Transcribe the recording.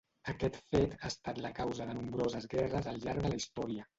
Aquest fet ha estat la causa de nombroses guerres al llarg de la història.